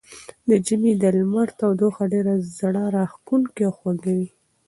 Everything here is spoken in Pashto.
د ژمي د لمر تودوخه ډېره زړه راښکونکې او خوږه وي.